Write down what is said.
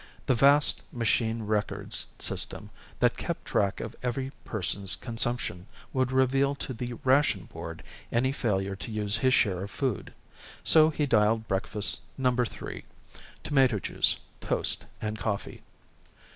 The vast machine records system that kept track of each person's consumption would reveal to the Ration Board any failure to use his share of food, so he dialed Breakfast Number Three tomato juice, toast, and coffee.